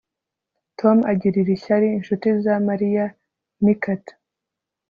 Tom agirira ishyari inshuti za Mariya meerkat